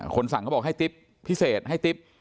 สั่งเขาบอกให้ติ๊บพิเศษให้ติ๊บ